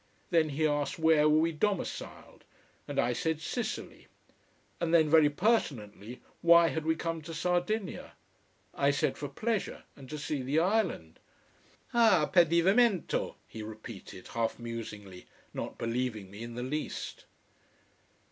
Then he asked, where were we domiciled and I said Sicily. And then, very pertinently, why had we come to Sardinia. I said for pleasure, and to see the island. "Ah, per divertimento!" he repeated, half musingly, not believing me in the least.